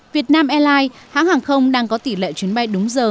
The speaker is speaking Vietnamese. việt nam airlines hãng hàng không đang có tỷ lệ chuyến bay đúng giờ